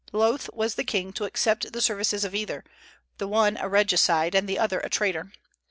Loth was the king to accept the services of either, the one a regicide, and the other a traitor.